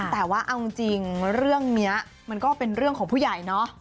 แต่ว่าเอาจริงเรื่องนี้มันก็เป็นเรื่องของผู้ใหญ่เนอะ